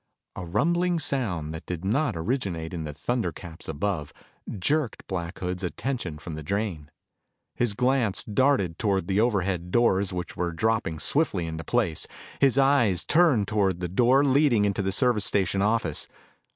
A rumbling sound that did not originate in the thunder caps above jerked Black Hood's attention from the drain. His glance darted toward the overhead doors which were dropping swiftly into place. His eyes turned toward the door leading into the service station office.